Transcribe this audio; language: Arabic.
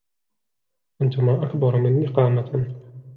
أنتما أكبر مني قامة.